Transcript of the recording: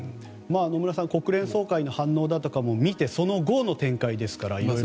野村さん、国連総会の反応とかも見てその後の展開ですよね。